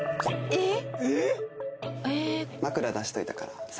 えっ！？